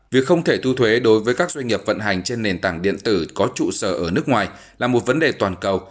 việc không thể thu thuế đối với các doanh nghiệp vận hành trên nền tảng điện tử có trụ sở ở nước ngoài là một vấn đề toàn cầu